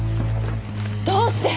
どうして？